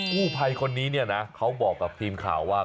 ผู้ภัยคนนี้เนี่ยนะเขาบอกกับทีมข่าวว่า